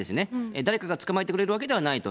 誰かが捕まえてくれるわけではないと。